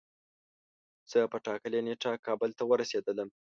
زه په ټاکلی نیټه کابل ته ورسیدلم